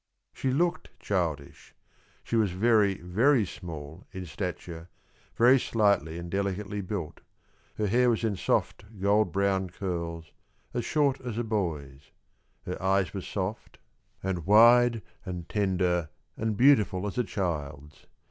She looked childish. She was very, very small in stature, very slightly and delicately built. Her hair was in soft gold brown curls, as short as a boy's; her eyes were soft, and wide, and tender, and beautiful as a child's.